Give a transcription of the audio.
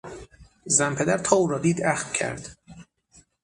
زن پدر تا او را دید اخم کرد.